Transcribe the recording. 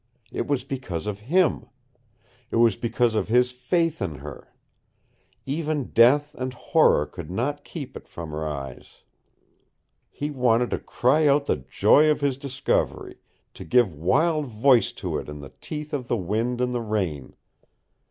It was because of HIM. It was because of his FAITH in her. Even death and horror could not keep it from her eyes. He wanted to cry out the joy of his discovery, to give wild voice to it in the teeth of the wind and the rain.